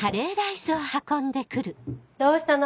どうしたの？